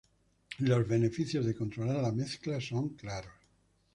Los beneficios de controlar la mezcla son claros.